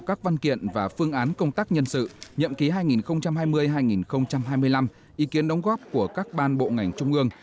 các văn kiện và phương án công tác nhân sự nhậm ký hai nghìn hai mươi hai nghìn hai mươi năm ý kiến đóng góp của các ban bộ ngành trung ương